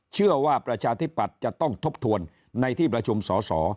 ประชาธิปัตย์จะต้องทบทวนในที่ประชุมสอสอ